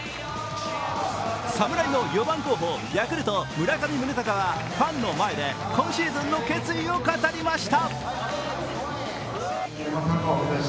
侍の４番候補・ヤクルト・村上宗隆はファンの前で今シーズンの決意を語りました。